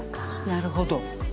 なるほど。